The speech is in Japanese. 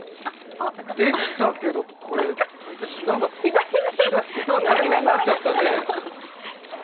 できたけど、これ、左目が垂れ目になっちゃったね。